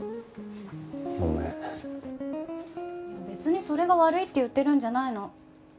別にそれが悪いって言ってるんじゃないの。